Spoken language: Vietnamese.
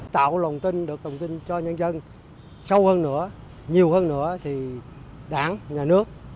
tạo lồng tin được lồng tin cho nhân dân sâu hơn nữa nhiều hơn nữa thì đảng nhà nước